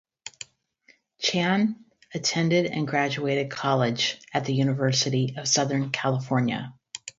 Chan attended and graduated college at the University of Southern California.